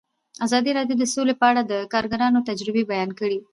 ازادي راډیو د سوله په اړه د کارګرانو تجربې بیان کړي.